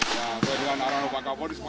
ya dengan arahan lomba kapolri semuanya juara